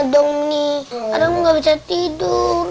adam tidak bisa tidur